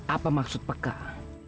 apa maksud pekak